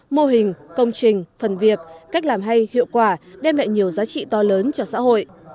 mô hình công trình phần việc cách làm hay hiệu quả đem lại nhiều giá trị to lớn cho xã hội